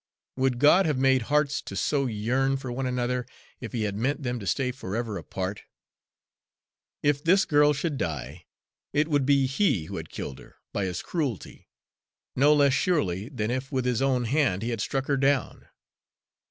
Would God have made hearts to so yearn for one another if He had meant them to stay forever apart? If this girl should die, it would be he who had killed her, by his cruelty, no less surely than if with his own hand he had struck her down.